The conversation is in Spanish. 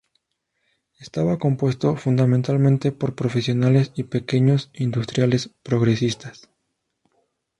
Estaba compuesto fundamentalmente por profesionales y pequeños industriales progresistas.